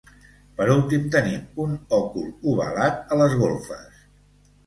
Per últim tenim un òcul ovalat a les golfes.